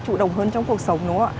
chủ động hơn trong cuộc sống đúng không ạ